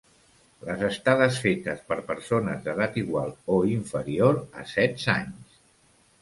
Les estades fetes per persones d'edat igual o inferior a setze anys.